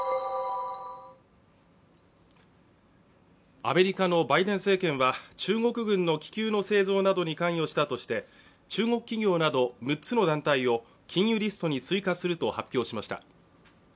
アメリカのバイデン政権は、中国軍の気球の製造などに関与したとして中国企業など６つの団体を禁輸リストに追加すると発表しました。